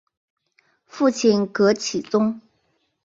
父亲戈启宗。